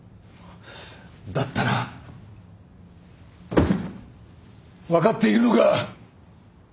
だったら分かっているのか？